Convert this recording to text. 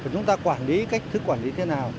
chúng ta quản lý cách thức quản lý thế nào